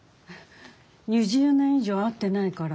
２０年以上会ってないから。